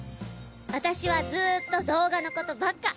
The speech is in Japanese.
私はずっと動画のことばっか。